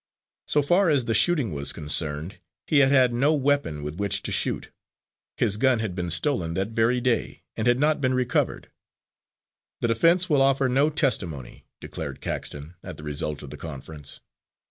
So far as the shooting was concerned, he had had no weapon with which to shoot. His gun had been stolen that very day, and had not been recovered. "The defense will offer no testimony," declared Caxton, at the result of the conference.